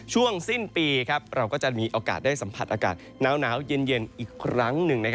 ช่วงสิ้นปีเราก็จะมีโอกาสได้สัมผัสอากาศหนาวเย็นอีกครั้งหนึ่ง